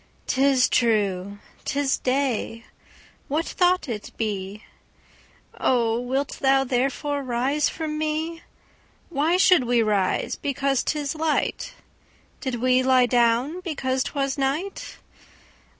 'Tis true, 'tis day: what though it be?O, wilt thou therefore rise from me? Why should we rise because 'tis light? Did we lie down because 'twas night?